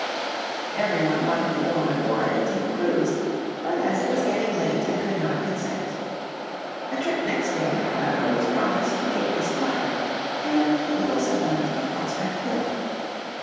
Every one wanted to go on board, and take a cruise, but as it was getting late, I could not consent. A trip next day, however, was promised to Cape Disappointment and the little settlement of Prospect Hill.